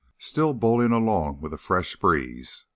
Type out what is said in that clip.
Still bowling along with a fresh breeze.